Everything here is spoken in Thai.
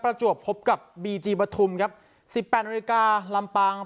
ประจวบพบกับบีจีปฐุมครับสิบแปดนาฬิกาลำปาง